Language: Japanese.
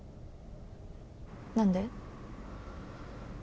何で？